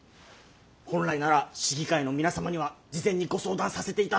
本来なら市議会の皆様には事前にご相談させていただくのが筋です。